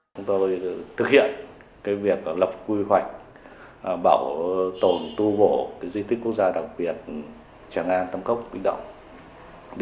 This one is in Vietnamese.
chúng tôi thực hiện việc lập quy hoạch bảo tồn tu bổ di tích quốc gia đặc biệt tràng an tâm cốc vĩnh động